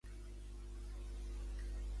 Què és la deessa serp?